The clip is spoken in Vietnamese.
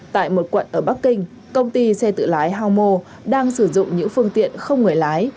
tại một quận ở bắc kinh công ty xe tự lái haomo đang sử dụng những phương tiện không người lái